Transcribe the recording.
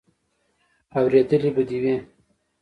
اورېدلې به دې وي.